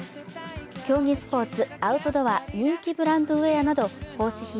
競技スポーツ・アウトドア・人気ブランドウエアなど奉仕品